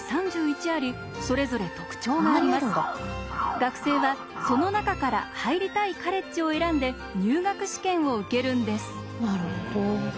学生はその中から入りたいカレッジを選んで入学試験を受けるんです。